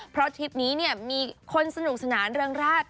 เพราะทริปนี้เนี่ยมีคนสนุกสนานเริงราช